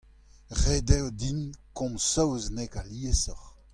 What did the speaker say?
Ret eo din komz saozneg aliesoc'h.